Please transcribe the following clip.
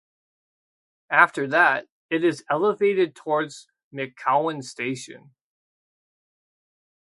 After that, it is elevated towards McCowan station.